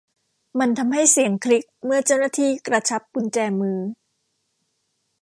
มันทำให้เสียงคลิกเมื่อเจ้าหน้าที่กระชับกุญแจมือ